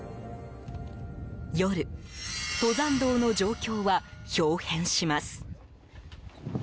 夜、登山道の状況は豹変します。